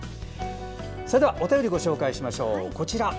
それではお便りご紹介します。